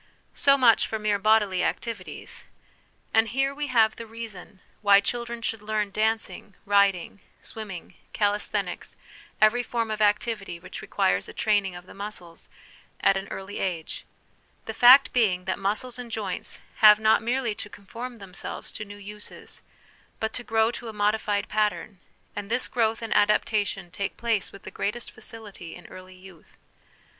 So much for mere bodily activities. And here we have the reason why children should learn dancing, riding, swimming, calisthenics, every form of activity which requires a training of the muscles, at an early age: the fact being, that muscles and joints have not merely to conform themselves to new uses, but to grow to a modified pattern ; and this growth and adaptation take place with the greatest facility in early youth.